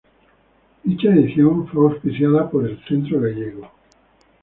Dicha edición fue auspiciada por el Centro Gallego.